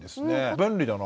便利だな。